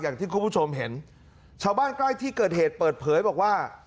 อย่างที่คุณผู้ชมเห็นชาวบ้านใกล้ที่เกิดเหตุเปิดเผยบอกว่า